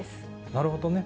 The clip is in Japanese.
なるほどね。